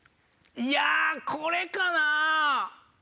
いやこれかな？